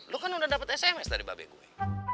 lo kan udah dapat sms dari babek gue